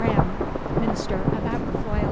Grahame, minister of Aberfoil.